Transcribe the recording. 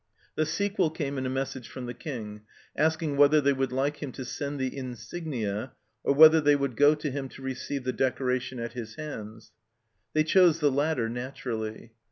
The sequel came in a message from the King, asking whether they would like him to send the insignia, or whether they would go to him to receive the decoration at his hands. They chose the latter, naturally.